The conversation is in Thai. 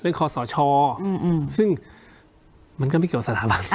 เรื่องขอสชซึ่งมันก็ไม่เกี่ยวกับสถาบัน